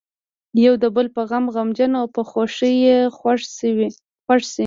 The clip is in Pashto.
یو د بل په غم غمجن او په خوښۍ یې خوښ شي.